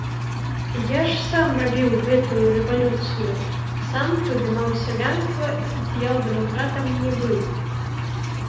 Я ж сам рабіў гэтую рэвалюцыю, сам падымаў сялянства і сацыял-дэмакратам не быў!